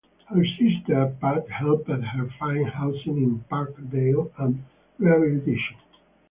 Her sister Pat helped her find housing in Parkdale and rehabilitation.